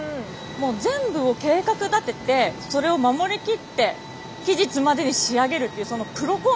もう全部を計画立ててそれを守りきって期日までに仕上げるっていう